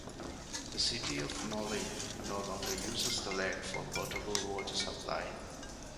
The city of Moline no longer uses the lake for potable water supply.